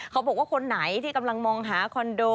เขาบอกว่าคนไหนที่กำลังมองหาคอนโด